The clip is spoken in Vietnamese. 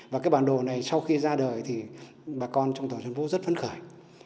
và cái bản đồ này sau khi ra đời thì bà con trong tổ dân phố rất phấn khởi